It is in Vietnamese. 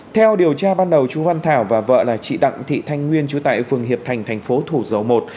theo điều tra ban đầu chú văn thảo và vợ là chị đặng thị thanh nguyên chú tại phường hiệp thành thành phố thủ dầu một